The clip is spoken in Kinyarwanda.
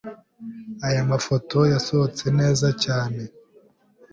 Aya mafoto yasohotse neza cyane.